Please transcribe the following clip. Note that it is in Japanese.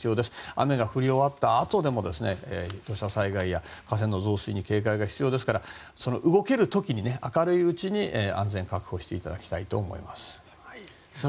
雨が降り終わったあとでも土砂災害や河川の増水に警戒が必要ですから動ける時に、明るいうちに安全確保していただきたいと思います。